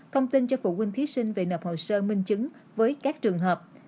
thông tin cho phụ huynh thí sinh về nạp hồ sơ minh chứng với các trường hợp